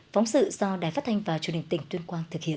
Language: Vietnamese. phóng sự do đài phát thanh và chủ đình tỉnh tuyên quang thực hiện